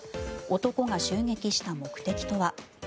男が襲撃した目的とは。